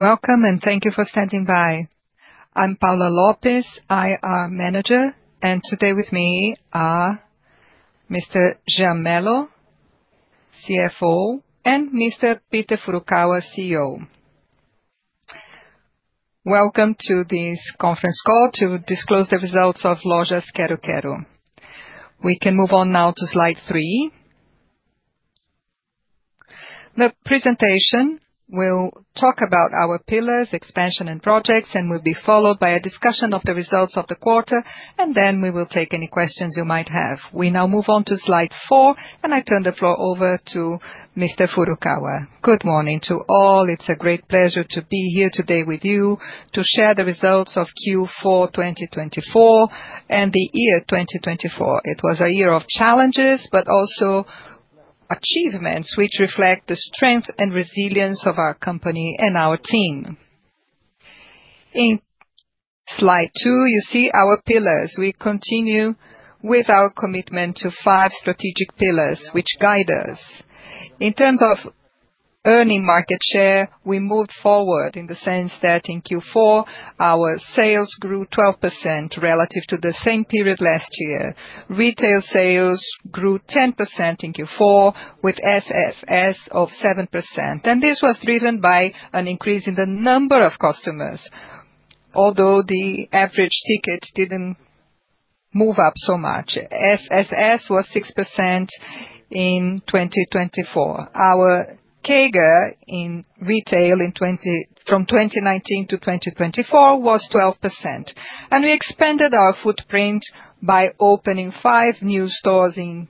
Welcome, and thank you for standing by. I'm Paula López, IR Manager, and today with me are Mr. Jean Mello, CFO, and Mr. Peter Furukawa, CEO. Welcome to this conference call to disclose the results of Lojas Quero-Quero. We can move on now to slide three. The presentation will talk about our pillars, expansion, and projects, and will be followed by a discussion of the results of the quarter, and then we will take any questions you might have. We now move on to slide four, and I turn the floor over to Mr. Furukawa. Good morning to all. It's a great pleasure to be here today with you to share the results of Q4 2024 and the year 2024. It was a year of challenges, but also achievements which reflect the strength and resilience of our company and our team. In slide two, you see our pillars. We continue with our commitment to five strategic pillars which guide us. In terms of earning market share, we moved forward in the sense that in Q4, our sales grew 12% relative to the same period last year. Retail sales grew 10% in Q4 with SSS of 7%. This was driven by an increase in the number of customers, although the average ticket didn't move up so much. SSS was 6% in 2024. Our CAGR in retail from 2019 to 2024 was 12%. We expanded our footprint by opening five new stores in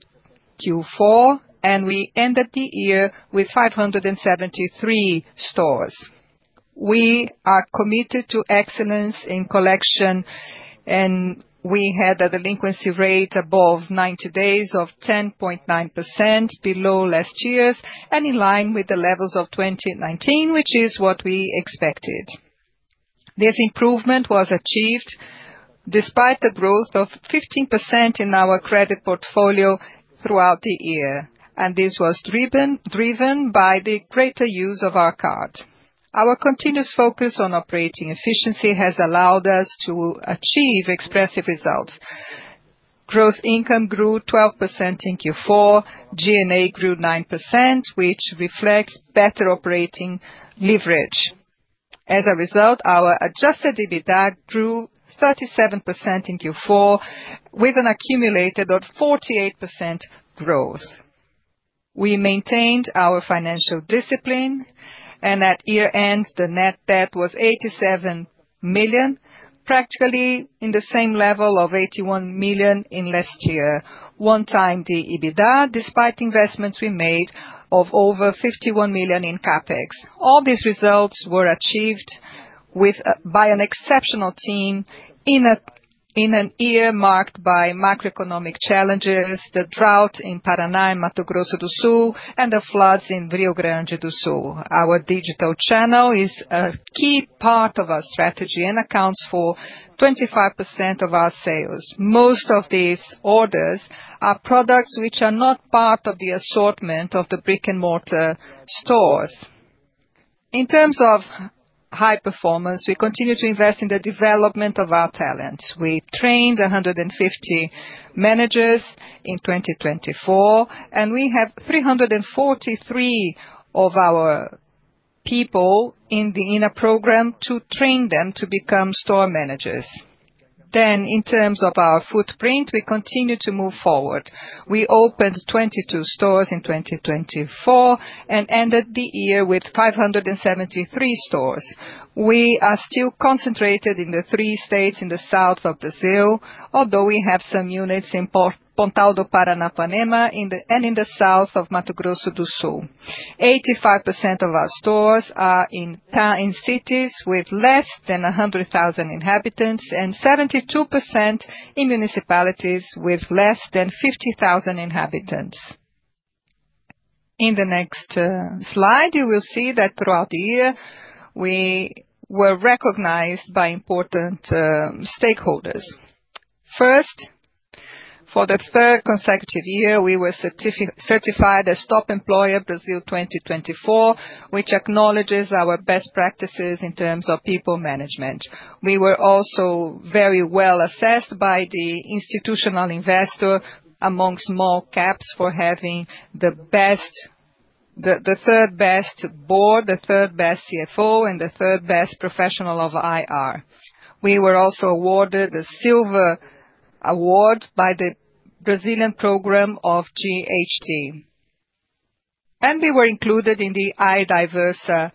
Q4, and we ended the year with 573 stores. We are committed to excellence in collection, and we had a delinquency rate above 90 days of 10.9%, below last year's, and in line with the levels of 2019, which is what we expected. This improvement was achieved despite the growth of 15% in our credit portfolio throughout the year, and this was driven by the greater use of our card. Our continuous focus on operating efficiency has allowed us to achieve expressive results. Gross income grew 12% in Q4. G&A grew 9%, which reflects better operating leverage. As a result, our adjusted EBITDA grew 37% in Q4 with an accumulated of 48% growth. We maintained our financial discipline, and at year-end, the net debt was 87 million, practically in the same level of 81 million in last year, one-time the EBITDA, despite investments we made of over 51 million in CapEx. All these results were achieved by an exceptional team in an year marked by macroeconomic challenges, the drought in Paraná, Mato Grosso do Sul, and the floods in Rio Grande do Sul. Our digital channel is a key part of our strategy and accounts for 25% of our sales. Most of these orders are products which are not part of the assortment of the brick-and-mortar stores. In terms of high performance, we continue to invest in the development of our talents. We trained 150 managers in 2024, and we have 343 of our people in the inner program to train them to become store managers. In terms of our footprint, we continue to move forward. We opened 22 stores in 2024 and ended the year with 573 stores. We are still concentrated in the three states in the south of Brazil, although we have some units in Pontal do Paranapanema and in the south of Mato Grosso do Sul. 85% of our stores are in cities with less than 100,000 inhabitants and 72% in municipalities with less than 50,000 inhabitants. In the next slide, you will see that throughout the year, we were recognized by important stakeholders. First, for the third consecutive year, we were certified as Top Employer Brazil 2024, which acknowledges our best practices in terms of people management. We were also very well assessed by the institutional investor amongst small caps for having the third-best board, the third-best CFO, and the third-best professional of IR. We were also awarded the Silver Award by the Brazilian program of GHG. We were included in the IDiversa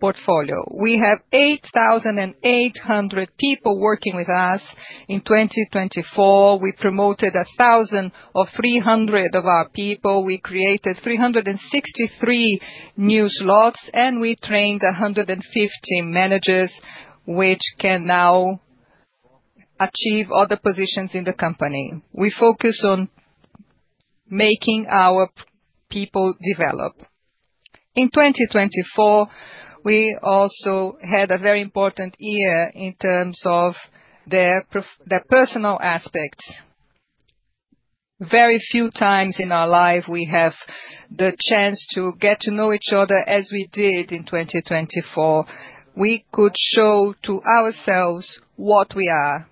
portfolio. We have 8,800 people working with us in 2024. We promoted 1,300 of our people. We created 363 new slots, and we trained 150 managers, which can now achieve other positions in the company. We focus on making our people develop. In 2024, we also had a very important year in terms of the personal aspects. Very few times in our life we have the chance to get to know each other as we did in 2024. We could show to ourselves what we are.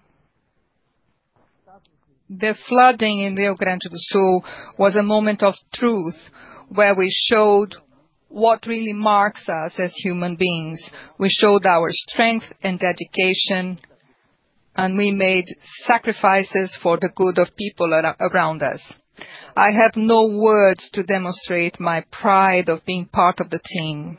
The flooding in Rio Grande do Sul was a moment of truth where we showed what really marks us as human beings. We showed our strength and dedication, and we made sacrifices for the good of people around us. I have no words to demonstrate my pride of being part of the team.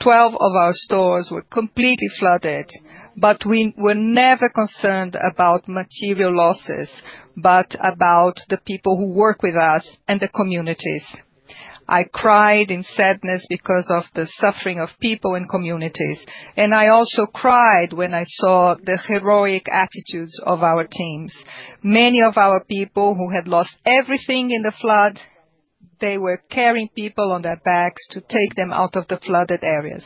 Twelve of our stores were completely flooded, but we were never concerned about material losses, but about the people who work with us and the communities. I cried in sadness because of the suffering of people and communities, and I also cried when I saw the heroic attitudes of our teams. Many of our people who had lost everything in the flood, they were carrying people on their backs to take them out of the flooded areas.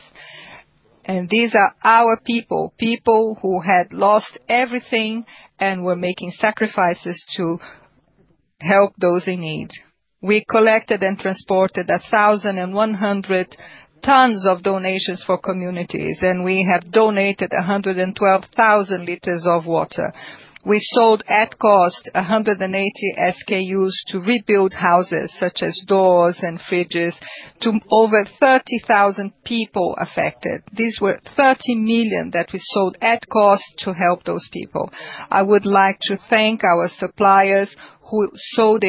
These are our people, people who had lost everything and were making sacrifices to help those in need. We collected and transported 1,100 tons of donations for communities, and we have donated 112,000 liters of water. We sold at cost 180 SKUs to rebuild houses such as doors and fridges to over 30,000 people affected. These were 30 million that we sold at cost to help those people. I would like to thank our suppliers who sold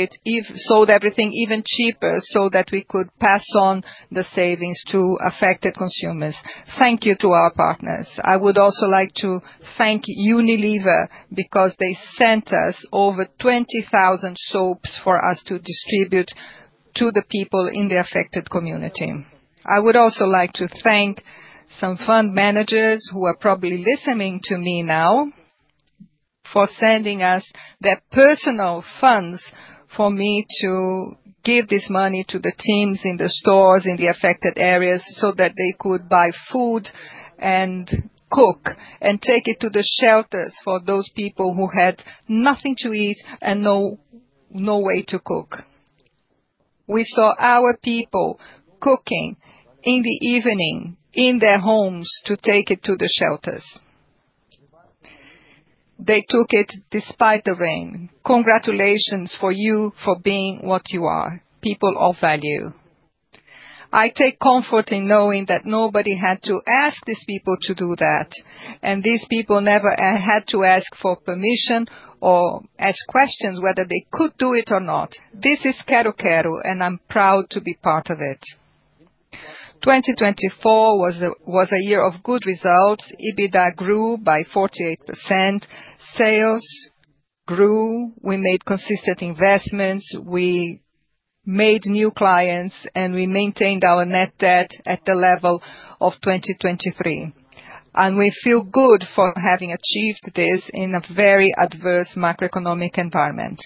everything even cheaper so that we could pass on the savings to affected consumers. Thank you to our partners. I would also like to thank Unilever because they sent us over 20,000 soaps for us to distribute to the people in the affected community. I would also like to thank some fund managers who are probably listening to me now for sending us their personal funds for me to give this money to the teams in the stores in the affected areas so that they could buy food and cook and take it to the shelters for those people who had nothing to eat and no way to cook. We saw our people cooking in the evening in their homes to take it to the shelters. They took it despite the rain. Congratulations for you for being what you are, people of value. I take comfort in knowing that nobody had to ask these people to do that, and these people never had to ask for permission or ask questions whether they could do it or not. This is Quero-Quero, and I'm proud to be part of it. 2024 was a year of good results. EBITDA grew by 48%. Sales grew. We made consistent investments. We made new clients, and we maintained our net debt at the level of 2023. We feel good for having achieved this in a very adverse macroeconomic environment.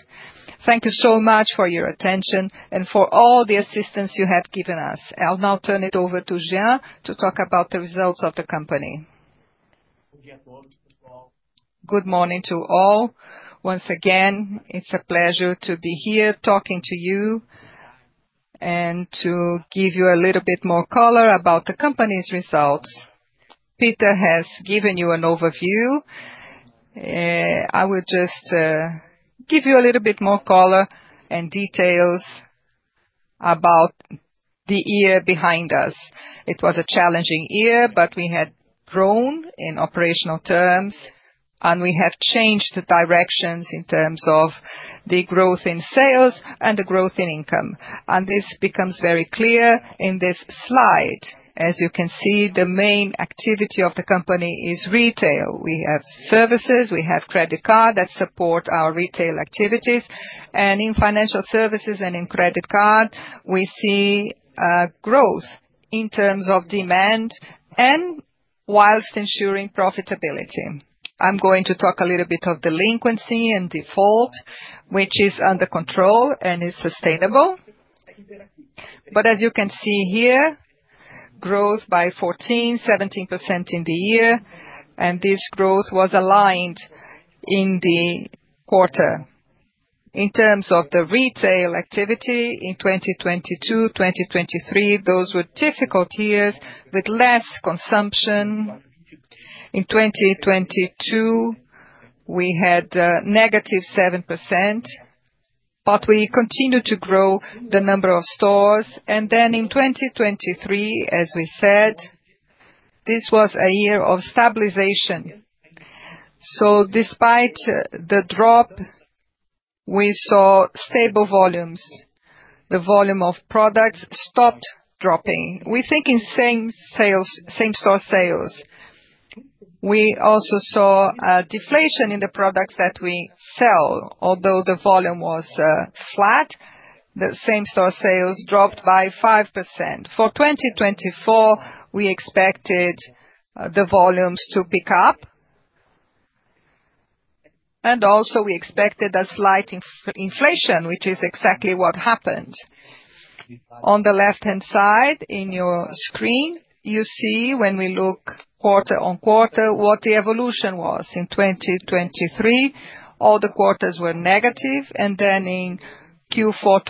Thank you so much for your attention and for all the assistance you have given us. I'll now turn it over to Jean to talk about the results of the company. Good morning to all. Once again, it's a pleasure to be here talking to you and to give you a little bit more color about the company's results. Peter has given you an overview. I will just give you a little bit more color and details about the year behind us. It was a challenging year, but we had grown in operational terms, and we have changed directions in terms of the growth in sales and the growth in income. This becomes very clear in this slide. As you can see, the main activity of the company is retail. We have services. We have credit cards that support our retail activities. In financial services and in credit cards, we see growth in terms of demand and whilst ensuring profitability. I'm going to talk a little bit of delinquency and default, which is under control and is sustainable. As you can see here, growth by 14%-17% in the year, and this growth was aligned in the quarter. In terms of the retail activity in 2022, 2023, those were difficult years with less consumption. In 2022, we had negative 7%, but we continued to grow the number of stores. In 2023, as we said, this was a year of stabilization. Despite the drop, we saw stable volumes. The volume of products stopped dropping. We think in same-store sales. We also saw a deflation in the products that we sell. Although the volume was flat, the same-store sales dropped by 5%. For 2024, we expected the volumes to pick up, and also we expected a slight inflation, which is exactly what happened. On the left-hand side in your screen, you see when we look quarter-on-quarter what the evolution was. In 2023, all the quarters were negative, and then in Q4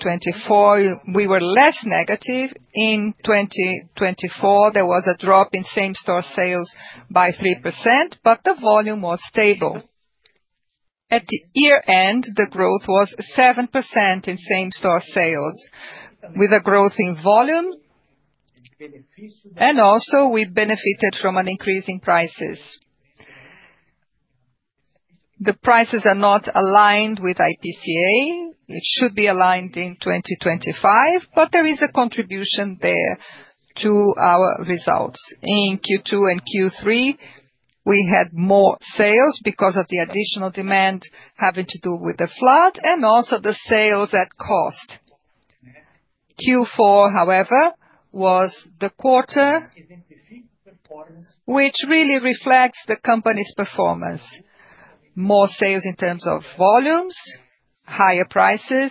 2024, we were less negative. In 2024, there was a drop in same-store sales by 3%, but the volume was stable. At the year-end, the growth was 7% in same-store sales, with a growth in volume, and also we benefited from increasing prices. The prices are not aligned with IPCA. It should be aligned in 2025, but there is a contribution there to our results. In Q2 and Q3, we had more sales because of the additional demand having to do with the flood and also the sales at cost. Q4, however, was the quarter which really reflects the company's performance. More sales in terms of volumes, higher prices,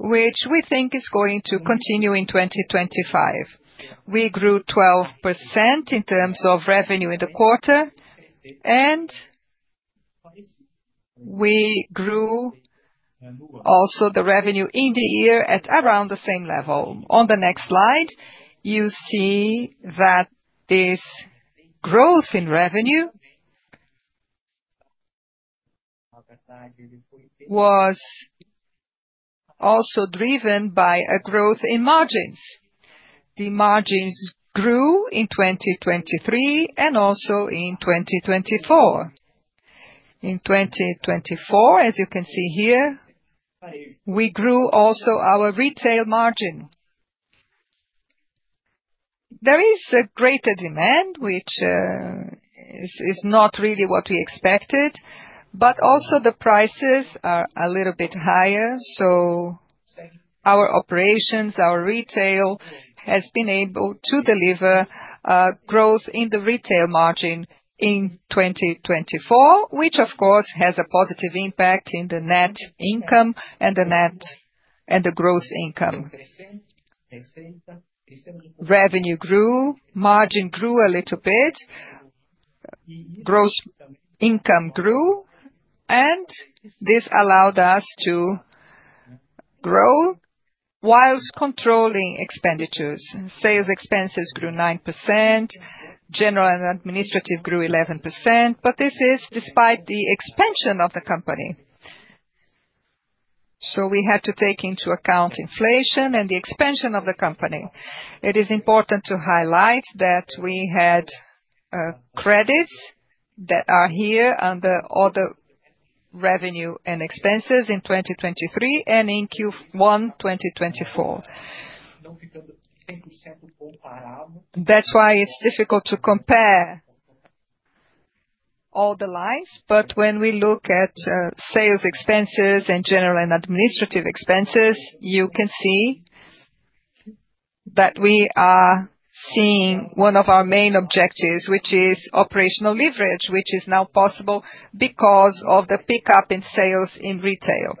which we think is going to continue in 2025. We grew 12% in terms of revenue in the quarter, and we grew also the revenue in the year at around the same level. On the next slide, you see that this growth in revenue was also driven by a growth in margins. The margins grew in 2023 and also in 2024. In 2024, as you can see here, we grew also our retail margin. There is a greater demand, which is not really what we expected, but also the prices are a little bit higher. Our operations, our retail has been able to deliver growth in the retail margin in 2024, which of course has a positive impact in the net income and the gross income. Revenue grew, margin grew a little bit, gross income grew, and this allowed us to grow whilst controlling expenditures. Sales expenses grew 9%. General and administrative grew 11%, but this is despite the expansion of the company. We had to take into account inflation and the expansion of the company. It is important to highlight that we had credits that are here under other revenue and expenses in 2023 and in Q1 2024. That is why it is difficult to compare all the lines, but when we look at sales expenses and general and administrative expenses, you can see that we are seeing one of our main objectives, which is operational leverage, which is now possible because of the pickup in sales in retail.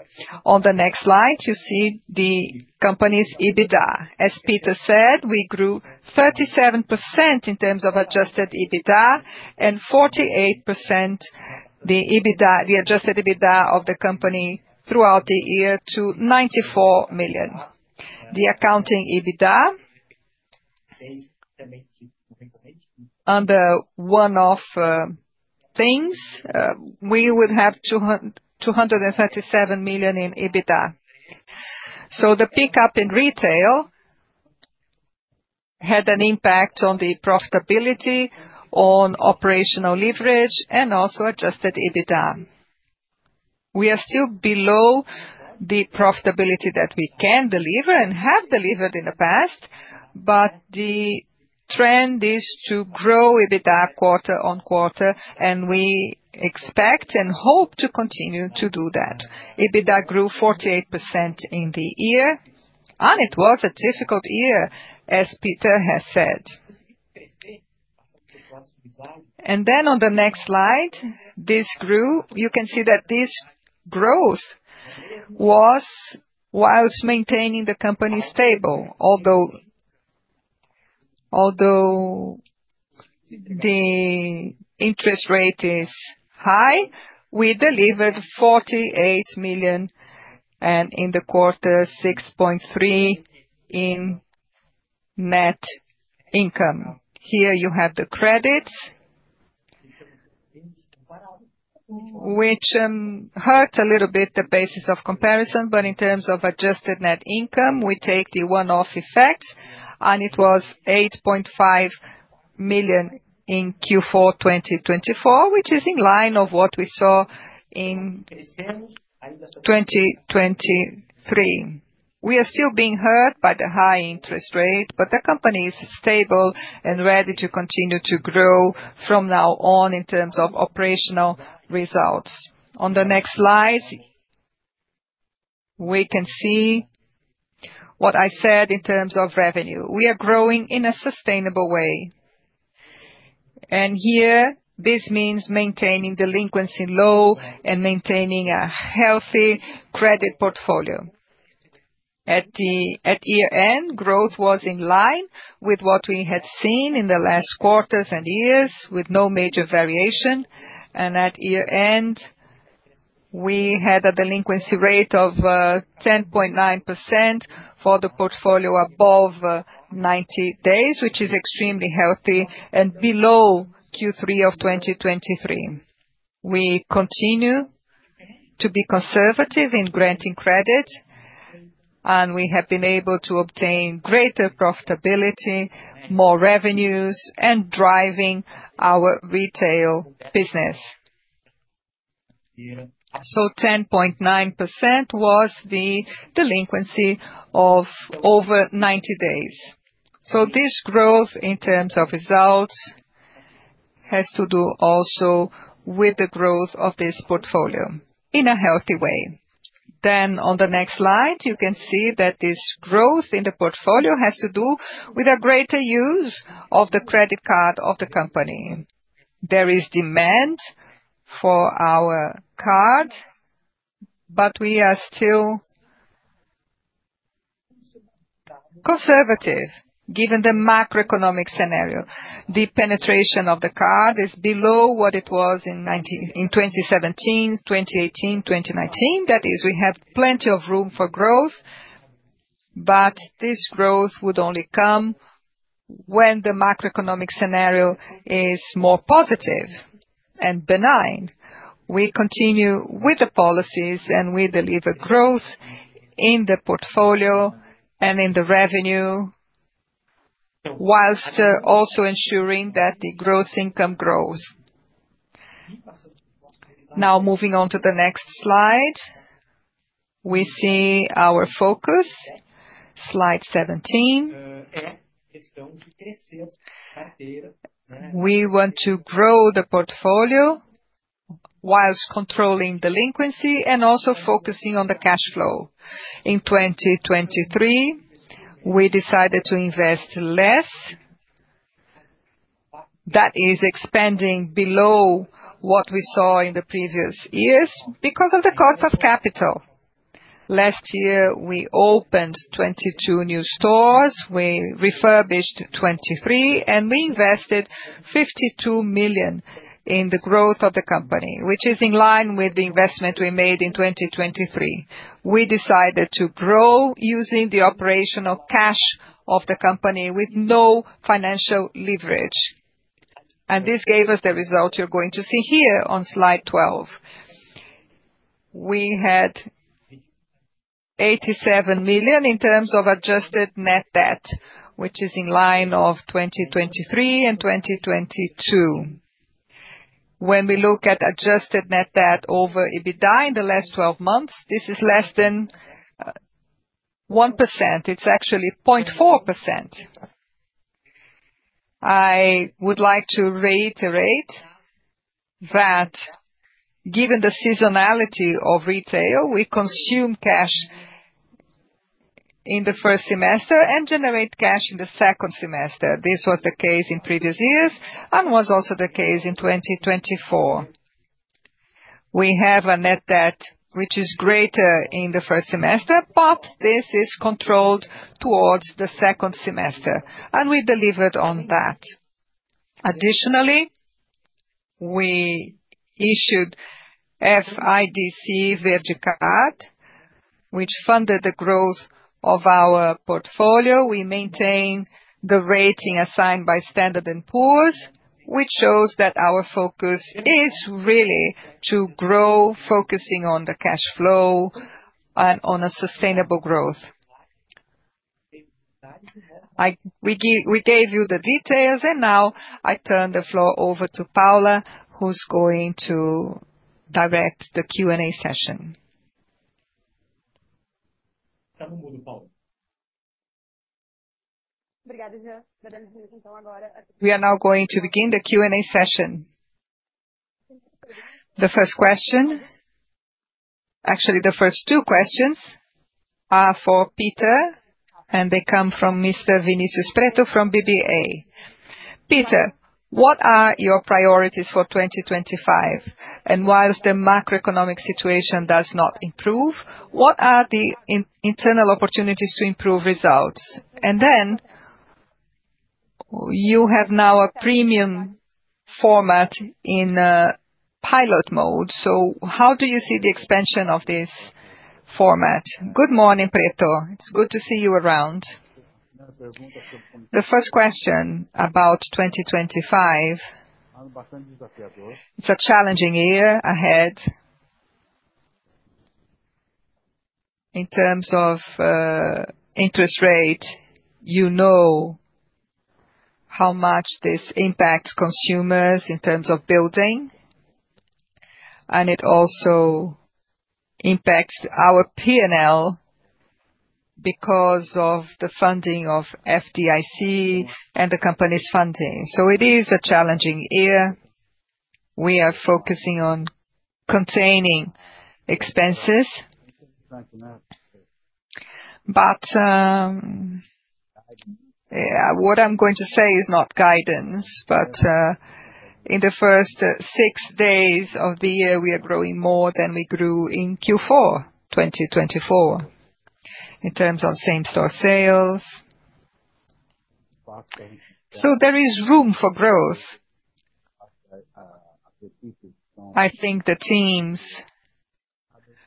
On the next slide, you see the company's EBITDA. As Peter said, we grew 37% in terms of adjusted EBITDA and 48% the adjusted EBITDA of the company throughout the year to R$ 94 million. The accounting EBITDA under one-off things, we would have R$ 237 million in EBITDA. The pickup in retail had an impact on the profitability, on operational leverage, and also adjusted EBITDA. We are still below the profitability that we can deliver and have delivered in the past, but the trend is to grow EBITDA quarter-on-quarter, and we expect and hope to continue to do that. EBITDA grew 48% in the year, and it was a difficult year, as Peter has said. On the next slide, this grew. You can see that this growth was whilst maintaining the company stable. Although the interest rate is high, we delivered 48 million and in the quarter 6.3 million in net income. Here you have the credits, which hurt a little bit the basis of comparison, but in terms of adjusted net income, we take the one-off effect, and it was 8.5 million in Q4 2024, which is in line with what we saw in 2023. We are still being hurt by the high interest rate, but the company is stable and ready to continue to grow from now on in terms of operational results. On the next slide, we can see what I said in terms of revenue. We are growing in a sustainable way. Here, this means maintaining delinquency low and maintaining a healthy credit portfolio. At year-end, growth was in line with what we had seen in the last quarters and years with no major variation. At year-end, we had a delinquency rate of 10.9% for the portfolio above 90 days, which is extremely healthy and below Q3 of 2023. We continue to be conservative in granting credit, and we have been able to obtain greater profitability, more revenues, and driving our retail business. 10.9% was the delinquency of over 90 days. This growth in terms of results has to do also with the growth of this portfolio in a healthy way. On the next slide, you can see that this growth in the portfolio has to do with a greater use of the credit card of the company. There is demand for our card, but we are still conservative given the macroeconomic scenario. The penetration of the card is below what it was in 2017, 2018, 2019. That is, we have plenty of room for growth, but this growth would only come when the macroeconomic scenario is more positive and benign. We continue with the policies, and we deliver growth in the portfolio and in the revenue whilst also ensuring that the gross income grows. Now moving on to the next slide, we see our focus, slide 17. We want to grow the portfolio whilst controlling delinquency and also focusing on the cash flow. In 2023, we decided to invest less. That is expanding below what we saw in the previous years because of the cost of capital. Last year, we opened 22 new stores. We refurbished 23, and we invested 52 million in the growth of the company, which is in line with the investment we made in 2023. We decided to grow using the operational cash of the company with no financial leverage. This gave us the result you're going to see here on slide 12. We had 87 million in terms of adjusted net debt, which is in line with 2023 and 2022. When we look at adjusted net debt over EBITDA in the last 12 months, this is less than 1%. It's actually 0.4%. I would like to reiterate that given the seasonality of retail, we consume cash in the first semester and generate cash in the second semester. This was the case in previous years and was also the case in 2024. We have a net debt which is greater in the first semester, but this is controlled towards the second semester, and we delivered on that. Additionally, we issued FIDC VERDICARD, which funded the growth of our portfolio. We maintain the rating assigned by Standard & Poor's, which shows that our focus is really to grow, focusing on the cash flow and on a sustainable growth. We gave you the details, and now I turn the floor over to Paula, who's going to direct the Q&A session. We are now going to begin the Q&A session. The first question, actually the first two questions are for Peter, and they come from Mr. Vinicius Pretto from BBA. Peter, what are your priorities for 2025? Whilst the macroeconomic situation does not improve, what are the internal opportunities to improve results? You have now a premium format in pilot mode. How do you see the expansion of this format? Good morning, Pretto. It's good to see you around. The first question about 2025, it's a challenging year ahead. In terms of interest rate, you know how much this impacts consumers in terms of building, and it also impacts our P&L because of the funding of FIDC and the company's funding. It is a challenging year. We are focusing on containing expenses, but what I'm going to say is not guidance, but in the first six days of the year, we are growing more than we grew in Q4 2024 in terms of same-store sales. There is room for growth. I think the teams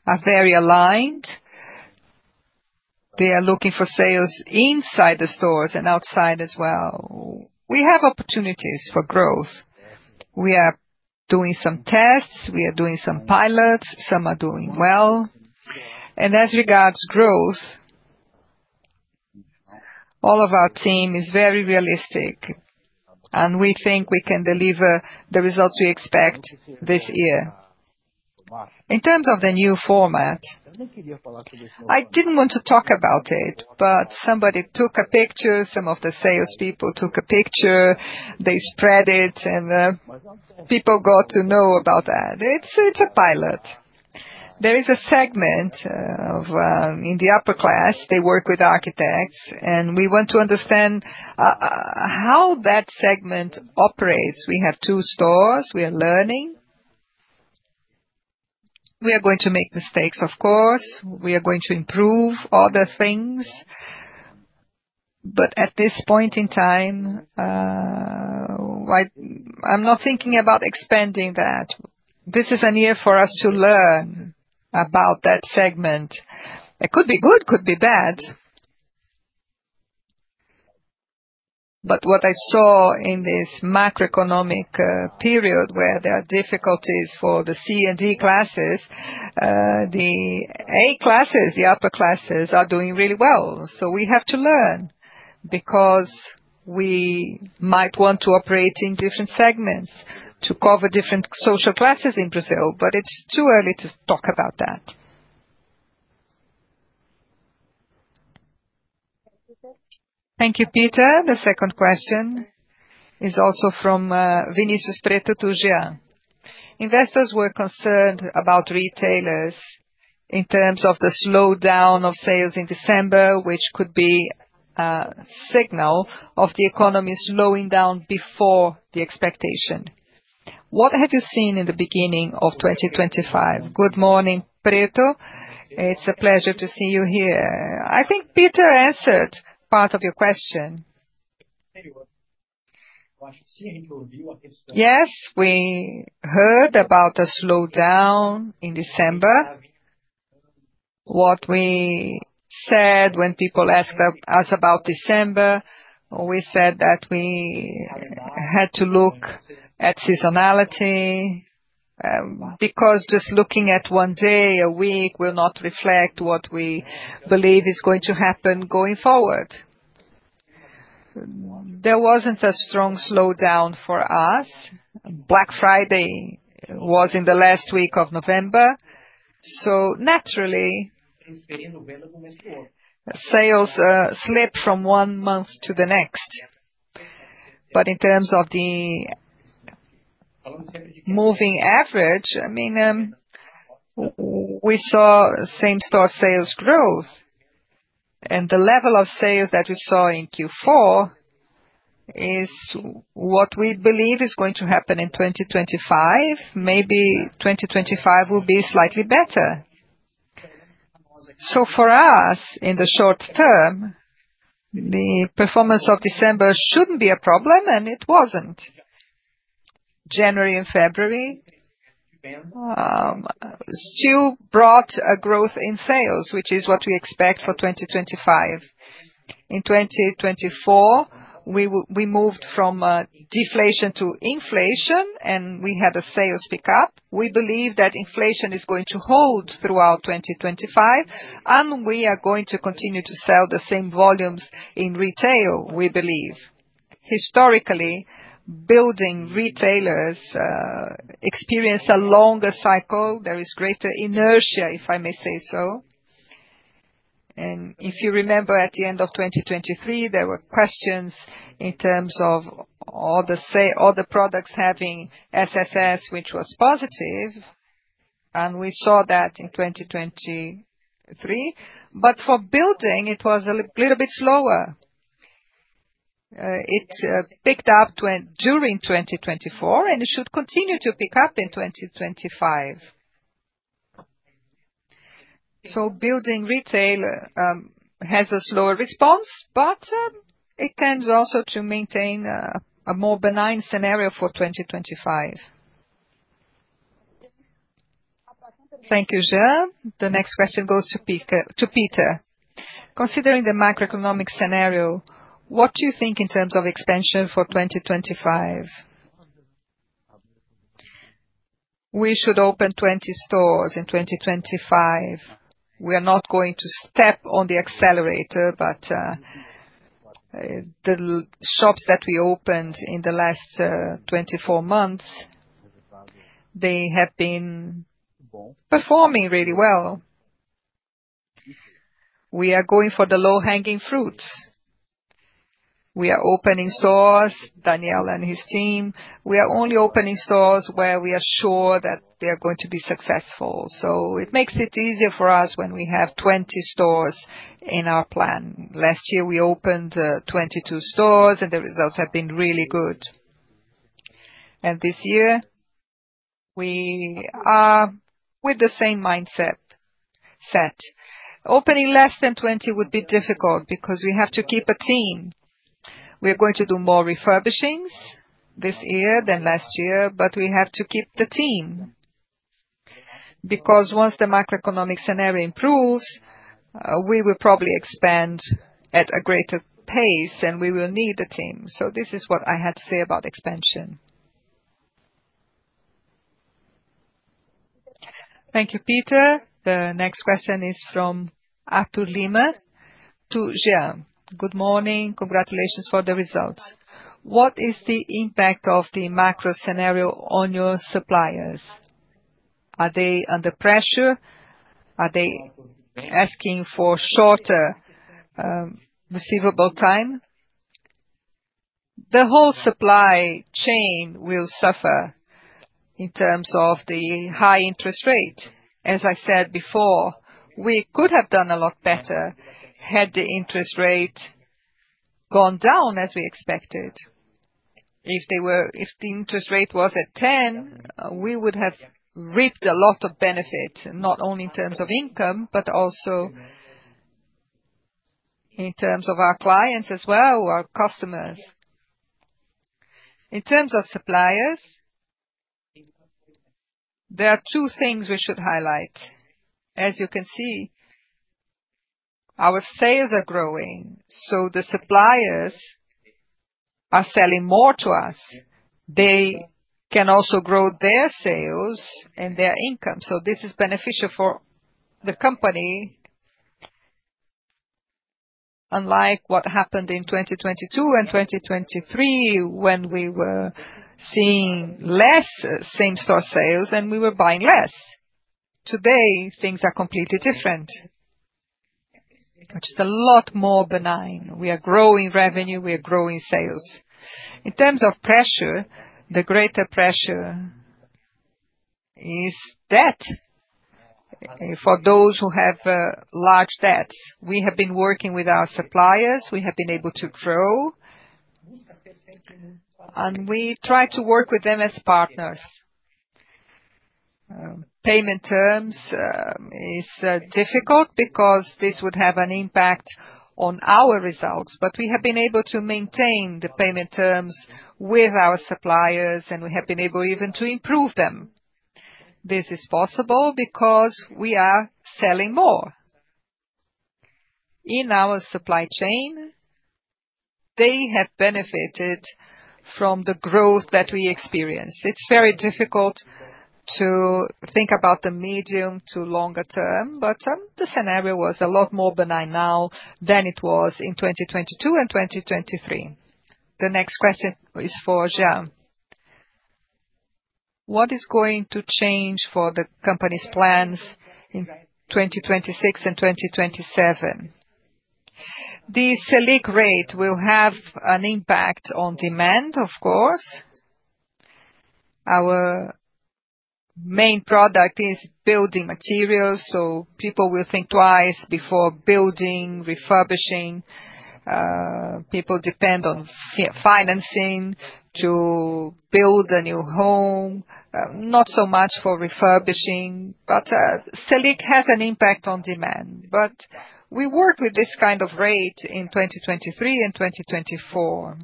are very aligned. They are looking for sales inside the stores and outside as well. We have opportunities for growth. We are doing some tests. We are doing some pilots. Some are doing well. As regards growth, all of our team is very realistic, and we think we can deliver the results we expect this year. In terms of the new format, I didn't want to talk about it, but somebody took a picture. Some of the salespeople took a picture. They spread it, and people got to know about that. It's a pilot. There is a segment in the upper class. They work with architects, and we want to understand how that segment operates. We have two stores. We are learning. We are going to make mistakes, of course. We are going to improve other things, but at this point in time, I'm not thinking about expanding that. This is a year for us to learn about that segment. It could be good, could be bad. What I saw in this macroeconomic period, where there are difficulties for the C and D classes, the A classes, the upper classes are doing really well. We have to learn because we might want to operate in different segments to cover different social classes in Brazil, but it is too early to talk about that. Thank you, Peter. The second question is also from Vinicius Pretto. Investors were concerned about retailers in terms of the slowdown of sales in December, which could be a signal of the economy slowing down before the expectation. What have you seen in the beginning of 2025? Good morning, Pretto. It is a pleasure to see you here. I think Peter answered part of your question. Yes, we heard about the slowdown in December. What we said when people asked us about December, we said that we had to look at seasonality because just looking at one day a week will not reflect what we believe is going to happen going forward. There was not a strong slowdown for us. Black Friday was in the last week of November, so naturally, sales slipped from one month to the next. In terms of the moving average, I mean, we saw same-store sales growth, and the level of sales that we saw in Q4 is what we believe is going to happen in 2025. Maybe 2025 will be slightly better. For us, in the short term, the performance of December should not be a problem, and it was not. January and February still brought a growth in sales, which is what we expect for 2025. In 2024, we moved from deflation to inflation, and we had a sales pickup. We believe that inflation is going to hold throughout 2025, and we are going to continue to sell the same volumes in retail, we believe. Historically, building retailers experienced a longer cycle. There is greater inertia, if I may say so. If you remember, at the end of 2023, there were questions in terms of all the products having SSS, which was positive, and we saw that in 2023. For building, it was a little bit slower. It picked up during 2024, and it should continue to pick up in 2025. Building retail has a slower response, but it tends also to maintain a more benign scenario for 2025. Thank you, Jean. The next question goes to Peter. Considering the macroeconomic scenario, what do you think in terms of expansion for 2025? We should open 20 stores in 2025. We are not going to step on the accelerator, but the shops that we opened in the last 24 months, they have been performing really well. We are going for the low-hanging fruits. We are opening stores, Daniel and his team. We are only opening stores where we are sure that they are going to be successful. It makes it easier for us when we have 20 stores in our plan. Last year, we opened 22 stores, and the results have been really good. This year, we are with the same mindset. Opening less than 20 would be difficult because we have to keep a team. We are going to do more refurbishings this year than last year, but we have to keep the team because once the macroeconomic scenario improves, we will probably expand at a greater pace, and we will need the team. This is what I had to say about expansion. Thank you, Peter. The next question is from Arthur Lemos. Good morning. Congratulations for the results. What is the impact of the macro scenario on your suppliers? Are they under pressure? Are they asking for shorter receivable time? The whole supply chain will suffer in terms of the high interest rate. As I said before, we could have done a lot better had the interest rate gone down as we expected. If the interest rate was at 10, we would have reaped a lot of benefit, not only in terms of income, but also in terms of our clients as well, our customers. In terms of suppliers, there are two things we should highlight. As you can see, our sales are growing, so the suppliers are selling more to us. They can also grow their sales and their income. This is beneficial for the company, unlike what happened in 2022 and 2023 when we were seeing less same-store sales and we were buying less. Today, things are completely different, which is a lot more benign. We are growing revenue. We are growing sales. In terms of pressure, the greater pressure is debt for those who have large debts. We have been working with our suppliers. We have been able to grow, and we try to work with them as partners. Payment terms is difficult because this would have an impact on our results, but we have been able to maintain the payment terms with our suppliers, and we have been able even to improve them. This is possible because we are selling more in our supply chain. They have benefited from the growth that we experienced. It's very difficult to think about the medium to longer term, but the scenario was a lot more benign now than it was in 2022 and 2023. The next question is for Jean. What is going to change for the company's plans in 2026 and 2027? The Selic rate will have an impact on demand, of course. Our main product is building materials, so people will think twice before building, refurbishing. People depend on financing to build a new home, not so much for refurbishing, but Selic has an impact on demand. We worked with this kind of rate in 2023 and 2024.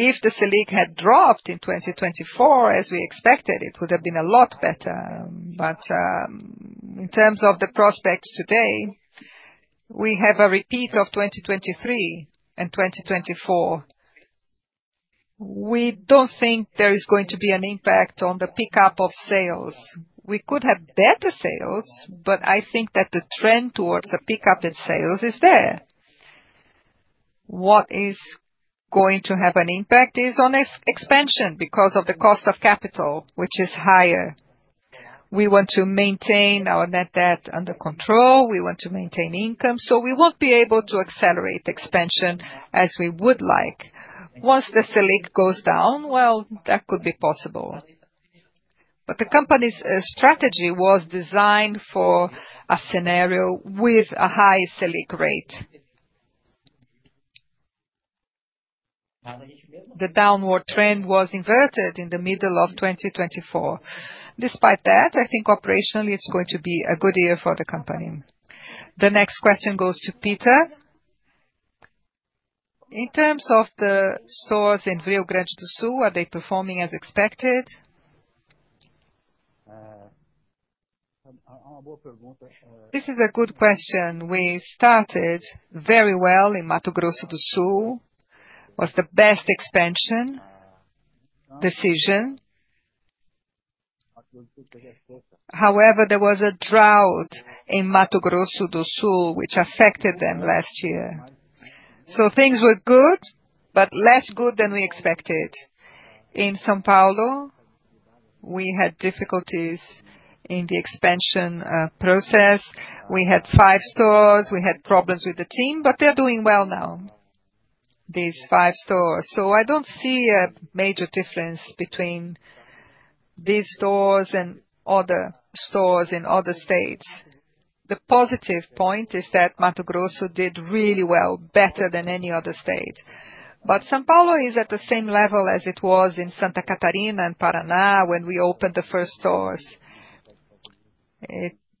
If the Selic had dropped in 2024, as we expected, it would have been a lot better. In terms of the prospects today, we have a repeat of 2023 and 2024. We do not think there is going to be an impact on the pickup of sales. We could have better sales, but I think that the trend towards a pickup in sales is there. What is going to have an impact is on expansion because of the cost of capital, which is higher. We want to maintain our net debt under control. We want to maintain income, so we won't be able to accelerate expansion as we would like. Once the Selic goes down, that could be possible. The company's strategy was designed for a scenario with a high Selic rate. The downward trend was inverted in the middle of 2024. Despite that, I think operationally it's going to be a good year for the company. The next question goes to Peter. In terms of the stores in Rio Grande do Sul, are they performing as expected? This is a good question. We started very well in Mato Grosso do Sul. It was the best expansion decision. However, there was a drought in Mato Grosso do Sul, which affected them last year. Things were good, but less good than we expected. In São Paulo, we had difficulties in the expansion process. We had five stores. We had problems with the team, but they're doing well now, these five stores. I don't see a major difference between these stores and other stores in other states. The positive point is that Mato Grosso did really well, better than any other state. São Paulo is at the same level as it was in Santa Catarina and Paraná when we opened the first stores.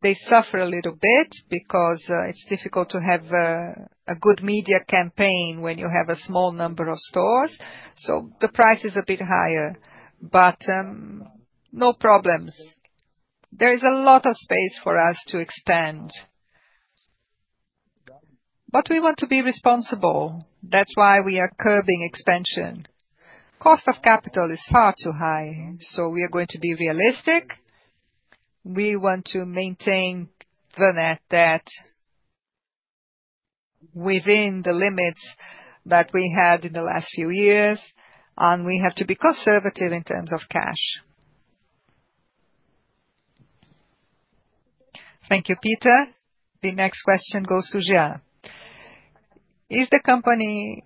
They suffer a little bit because it's difficult to have a good media campaign when you have a small number of stores. The price is a bit higher, but no problems. There is a lot of space for us to expand, but we want to be responsible. That's why we are curbing expansion. Cost of capital is far too high, so we are going to be realistic. We want to maintain the net debt within the limits that we had in the last few years, and we have to be conservative in terms of cash. Thank you, Peter. The next question goes to Jean. Is the company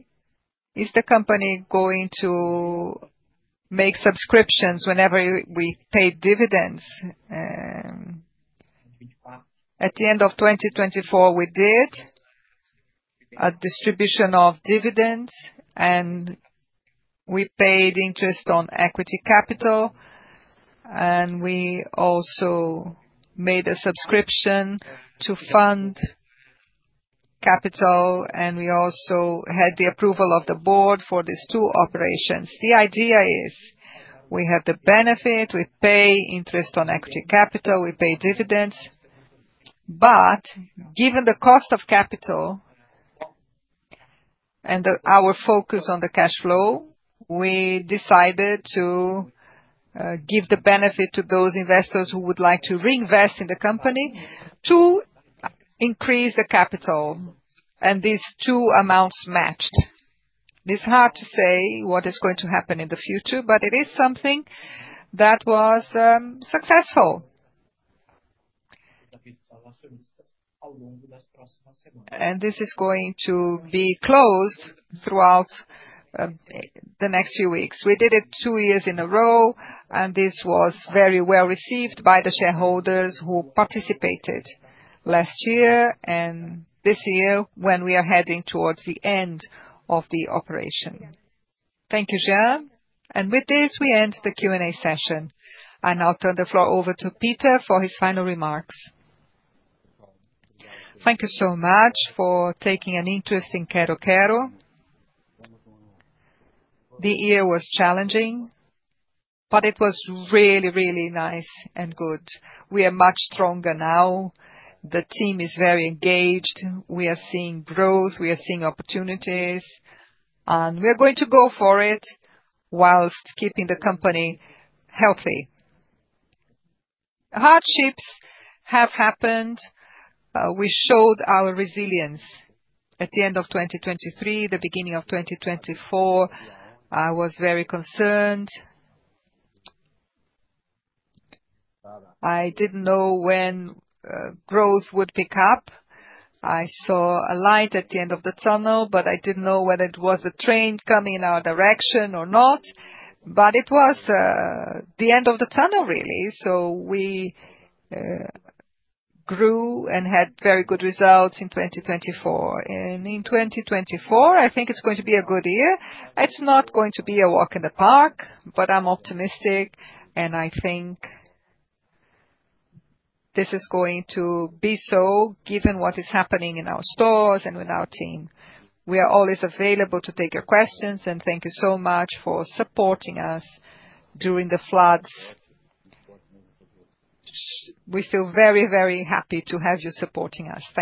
going to make subscriptions whenever we pay dividends? At the end of 2024, we did a distribution of dividends, and we paid interest on equity capital, and we also made a subscription to fund capital, and we also had the approval of the board for these two operations. The idea is we have the benefit, we pay interest on equity capital, we pay dividends, but given the cost of capital and our focus on the cash flow, we decided to give the benefit to those investors who would like to reinvest in the company to increase the capital, and these two amounts matched. It's hard to say what is going to happen in the future, but it is something that was successful. This is going to be closed throughout the next few weeks. We did it two years in a row, and this was very well received by the shareholders who participated last year and this year when we are heading towards the end of the operation. Thank you, Jean. With this, we end the Q&A session, and I'll turn the floor over to Peter for his final remarks. Thank you so much for taking an interest in Quero-Quero. The year was challenging, but it was really, really nice and good. We are much stronger now. The team is very engaged. We are seeing growth. We are seeing opportunities, and we are going to go for it whilst keeping the company healthy. Hardships have happened. We showed our resilience at the end of 2023. The beginning of 2024, I was very concerned. I didn't know when growth would pick up. I saw a light at the end of the tunnel, but I didn't know whether it was a train coming in our direction or not, but it was the end of the tunnel, really. We grew and had very good results in 2024. In 2024, I think it's going to be a good year. It's not going to be a walk in the park, but I'm optimistic, and I think this is going to be so given what is happening in our stores and with our team. We are always available to take your questions, and thank you so much for supporting us during the floods. We feel very, very happy to have you supporting us.